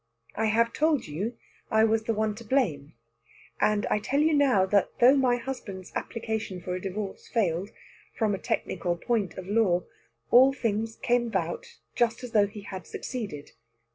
I have told you I was the one to blame, and I tell you now that though my husband's application for a divorce failed, from a technical point of law, all things came about just as though he had succeeded.